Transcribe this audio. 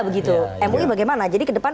begitu mui bagaimana jadi kedepan